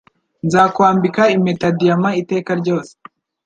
Nzakwambika impeta ya Diyama iteka ryose